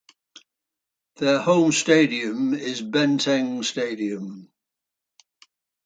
Their home stadium is Benteng Stadium.